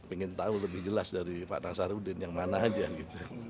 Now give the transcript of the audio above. pengen tahu lebih jelas dari pak nazir udin yang mana aja gitu